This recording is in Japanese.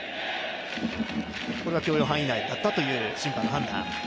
これは許容範囲内だったという審判の判断。